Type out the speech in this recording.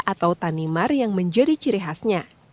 atau tanimar yang menjadi ciri khasnya